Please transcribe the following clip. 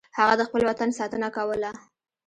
هغه د خپل وطن ساتنه کوله.